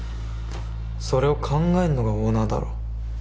それを考えんのがオーナーだろ。